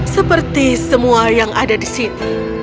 seperti semua yang ada di sini